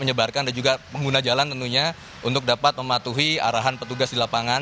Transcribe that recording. menyebarkan dan juga pengguna jalan tentunya untuk dapat mematuhi arahan petugas di lapangan